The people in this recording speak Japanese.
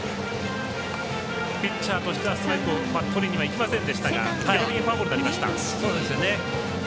ピッチャーとしては最後とりにはいきませんでしたがフォアボールになりました。